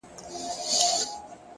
هره ستونزه د فکر د بدلون لامل ده.